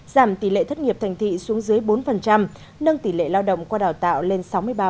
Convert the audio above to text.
giảm tỷ lệ thất nghiệp thành thị xuống dưới bốn nâng tỷ lệ lao động qua đào tạo lên sáu mươi ba